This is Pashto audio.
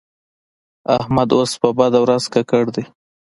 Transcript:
احمد اوس په بده ورځ ککړ دی.